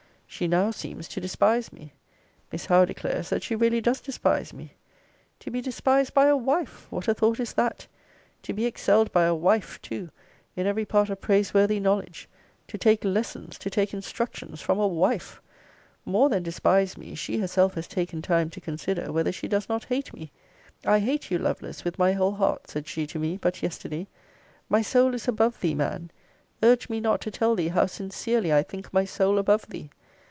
She now seems to despise me: Miss Howe declares, that she really does despise me. To be despised by a WIFE What a thought is that! To be excelled by a WIFE too, in every part of praise worthy knowledge! To take lessons, to take instructions, from a WIFE! More than despise me, she herself has taken time to consider whether she does not hate me: I hate you, Lovelace, with my whole heart, said she to me but yesterday! My soul is above thee, man! Urge me not to tell thee how sincerely I think my soul above thee!